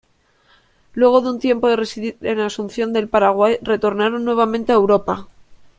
Luego de un tiempo de residir en Asunción del Paraguay retornaron nuevamente a Europa.